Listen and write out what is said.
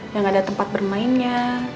yang ada tempat bermainnya